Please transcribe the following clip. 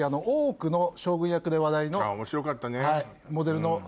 面白かったね。